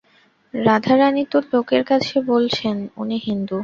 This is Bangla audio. রাধারানী তো লোকের কাছে বলছেন উনি হিন্দু।